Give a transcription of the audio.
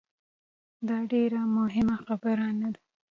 داډیره مهمه خبره نه ده